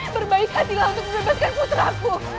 berbaik hatilah untuk mebebaskan puteraku